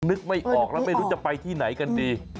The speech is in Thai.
นึกไม่ออกแล้วไม่รู้จะไปที่ไหนกันดี